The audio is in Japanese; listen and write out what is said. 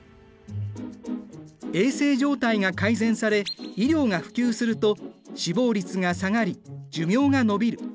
衛生状態が改善され医療が普及すると死亡率が下がり寿命が伸びる。